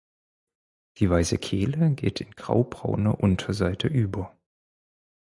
Die weiße Kehle geht in graubraune Unterseite über.